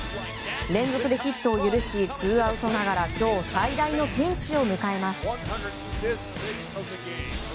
連続でヒットを許しツーアウトながら今日最大のピンチを迎えます。